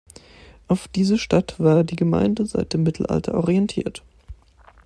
Auf diese Stadt war die Gemeinde seit dem Mittelalter orientiert.